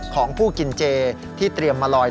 ของผู้กินเจที่เตรียมมาลอย